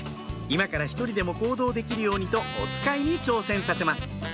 今から１人でも行動できるようにとおつかいに挑戦させます